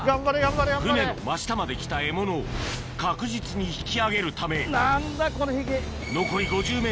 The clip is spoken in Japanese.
船の真下まで来た獲物を確実に引き上げるため・何だこの引き！